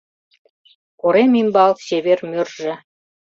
Корем ӱмбал чевер мӧржӧ